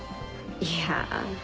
いや。